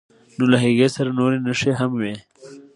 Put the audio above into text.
نو له هغې سره نورې نښې هم وي.